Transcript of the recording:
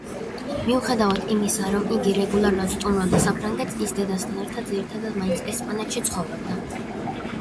მიუხედავად იმისა, რომ იგი რეგულარულად სტუმრობდა საფრანგეთს, ის დედასთან ერთად ძირითადად მაინც ესპანეთში ცხოვრობდა.